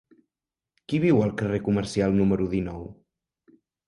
Qui viu al carrer Comercial número dinou?